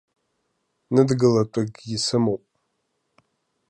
Ныдгылатәыкгьы сымоуп.